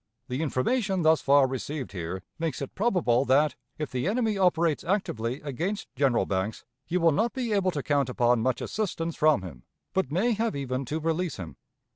The information thus far received here makes it probable that, if the enemy operates actively against General Banks, you will not be able to count upon much assistance from him, but may have even to release him.